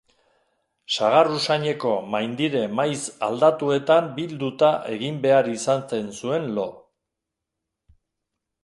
Sagar-usaineko maindire maiz aldatuetan bilduta egin behar izaten zuen lo.